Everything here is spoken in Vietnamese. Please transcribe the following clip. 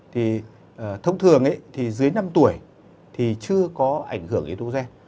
thì thông thường thì dưới năm tuổi thì chưa có ảnh hưởng yếu tố gen